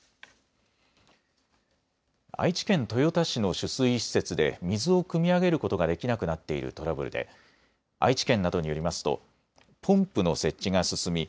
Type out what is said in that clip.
愛知県豊田市の取水施設で水をくみ上げることができなくなっているトラブルで愛知県などによりますとポンプの設置が進み